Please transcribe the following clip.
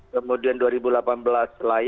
kemudian dua ribu delapan belas